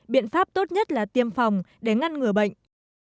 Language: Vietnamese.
biện pháp tốt nhất là tiêm phòng để ngăn ngừa bệnh